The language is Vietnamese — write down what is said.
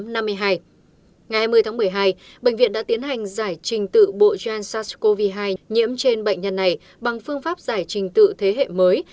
ngày hai mươi tháng một mươi hai bệnh viện đã tiến hành giải trình tự bộ gen sars cov hai nhiễm trên bệnh nhân này bằng phương pháp giải trình tự thế hệ mới